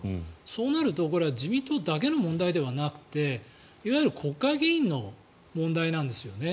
そうなると、これは自民党だけの問題ではなくていわゆる国会議員の問題なんですよね。